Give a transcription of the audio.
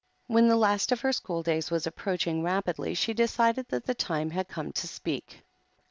When the last of her school days was approaching rapidly, she decided that the time had come to speak.